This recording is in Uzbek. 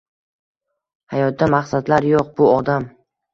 Hayotda maqsadlar yo'q, bu odam